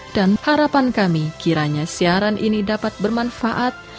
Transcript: dan harapan kami kiranya siaran ini dapat bermanfaat